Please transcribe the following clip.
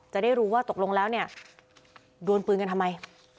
จะได้รู้ว่าตกลงแล้วเนี่ยดวนปืนกันทำไม